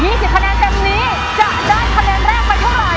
สิบคะแนนเต็มนี้จะได้คะแนนแรกไปเท่าไหร